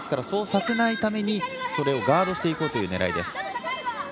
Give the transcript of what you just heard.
そうさせないためにカードしていこうというねらいです。